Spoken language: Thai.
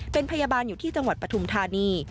เป็นพยาบาลอยู่ที่จังหวัดปฐุมธานี